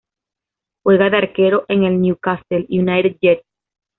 Juega de arquero en el Newcastle United Jets.